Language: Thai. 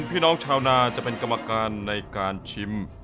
พี่น้องชาวนาจะเป็นกรรมการในการชิม